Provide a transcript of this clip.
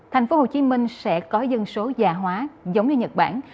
thành phố hồ chí minh sẽ có dân số già hóa giống như nhật bản